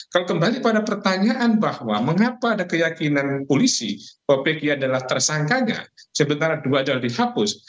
kalau kembali pada pertanyaan bahwa mengapa ada keyakinan polisi bahwa pki adalah tersangkanya sementara dua jalur dihapus